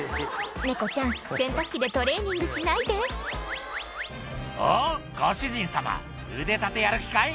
猫ちゃん洗濯機でトレーニングしないで「おっご主人様腕立てやる気かい？」